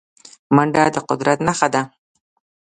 منډه د قدرت نښه ده